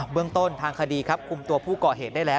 เมืองต้นทางคดีครับคุมตัวผู้ก่อเหตุได้แล้ว